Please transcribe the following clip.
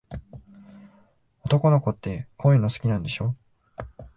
男の子って、こういうの好きなんでしょ。